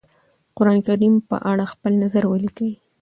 قرآنکريم په اړه خپل نظر وليکی؟